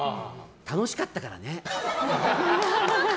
楽しかったからね。